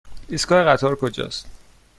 ایستگاه قطار کجاست؟